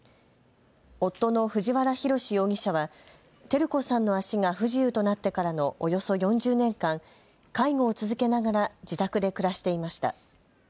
夫の藤原宏容疑者は照子さんの足が不自由となってからのおよそ４０年間、介護を続けながら自宅で暮らしていました。